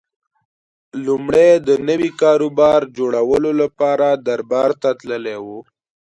لومړی د نوي کاروبار جوړولو لپاره دربار ته تللی و